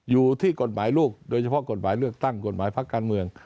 อยู่ที่กฎหมายลูกโดยเฉพาะกฎหมายเลือกตั้งกฎหมายพักการเมือง